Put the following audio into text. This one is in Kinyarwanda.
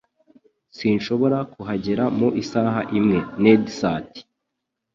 Sinshobora kuhagera mu isaha imwe. (nadsat)